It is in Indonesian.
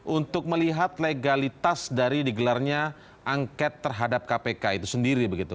untuk melihat legalitas dari digelarnya angket terhadap kpk itu sendiri begitu